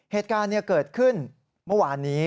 เหตุการณ์เกิดขึ้นเมื่อวานนี้